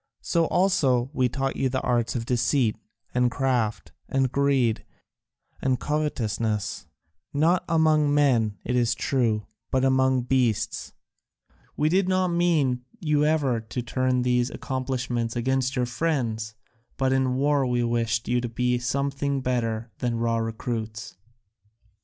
So also we taught you the arts of deceit and craft and greed and covetousness, not among men it is true, but among beasts; we did not mean you ever to turn these accomplishments against your friends, but in war we wished you to be something better than raw recruits."